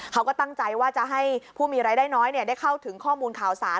เขาก็ตั้งใจว่าจะให้ผู้มีรายได้น้อยได้เข้าถึงข้อมูลข่าวสาร